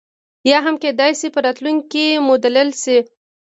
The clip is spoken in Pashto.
یا هم کېدای شي په راتلونکي کې مدلل شي.